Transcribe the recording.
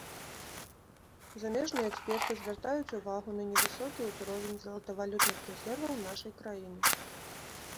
Замежныя эксперты звяртаюць увагу на невысокі ўзровень золатавалютных рэзерваў нашай краіны.